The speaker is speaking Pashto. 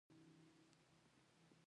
کندز سیند د افغانستان یو طبعي ثروت دی.